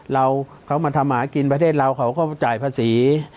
เราเขามาทำหากินประเทศเราเขาก็จ่ายภาษี